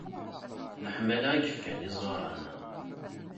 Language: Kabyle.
Leḥmala i yefkan iẓuran.